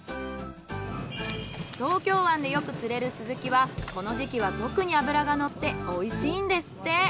東京湾でよく釣れるスズキはこの時期は特に脂が乗っておいしいんですって。